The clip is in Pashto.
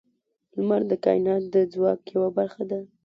• لمر د کائنات د ځواک یوه برخه ده.